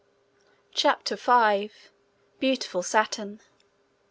CHAPTER V. Beautiful Saturn.